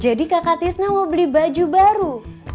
jadi kakak tisna mau beli baju baru